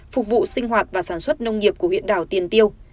phục vụ sinh hoạt và sản xuất nông nghiệp của huyện đảo tiền tiêu